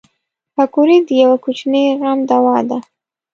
پکورې د یوه کوچني غم دوا ده